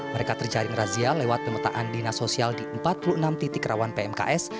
mereka terjaring razia lewat pemetaan dinas sosial di empat puluh enam titik rawan pmks